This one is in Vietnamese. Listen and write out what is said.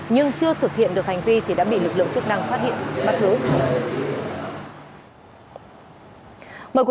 nhưng chưa thực hiện được hành vi thì đã bị lực lượng chức năng phát hiện bắt giữ